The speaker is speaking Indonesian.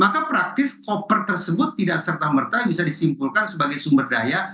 maka praktis koper tersebut tidak serta merta bisa disimpulkan sebagai sumber daya